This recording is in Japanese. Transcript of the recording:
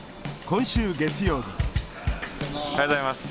おはようございます。